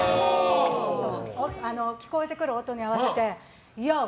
聞こえてくる音に合わせてＹＯ！